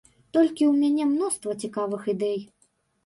Толькі ў мяне мноства цікавых ідэй.